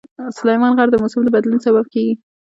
سلیمان غر د موسم د بدلون سبب کېږي.